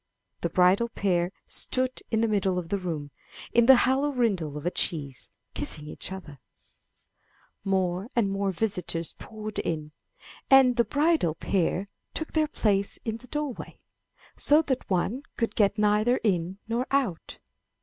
The bridal pair stood in the middle of the room, in the hollow rind of a cheese, kissing each other. X.OH H T . C^KH 139 MY BOOK HOUSE More and more visitors poured in, and the bridal pair took their place in the doorway, so that one could get neither in nor out.